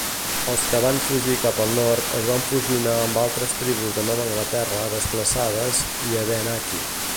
Els que van fugir cap al nord es van fusionar amb altres tribus de Nova Anglaterra desplaçades i Abenaki.